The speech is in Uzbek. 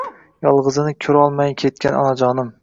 Yolg‘izini ko‘rolmay ketgan onajonim!